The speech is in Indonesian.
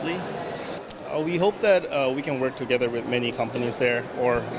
kami berharap bisa bekerja bersama banyak perusahaan di jawa tengah